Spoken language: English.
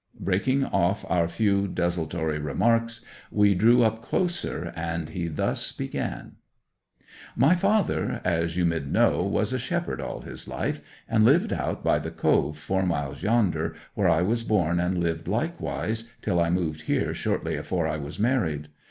Breaking off our few desultory remarks we drew up closer, and he thus began:— 'My father, as you mid know, was a shepherd all his life, and lived out by the Cove four miles yonder, where I was born and lived likewise, till I moved here shortly afore I was married.